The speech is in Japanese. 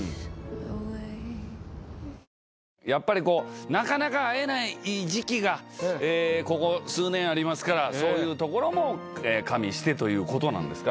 やっぱりなかなか会えない時期がここ数年ありますからそういうところも加味してということなんですかね。